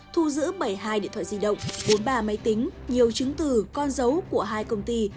thu giữ bảy mươi hai điện thoại di động bốn mươi ba máy tính nhiều chứng từ con dấu của hai công ty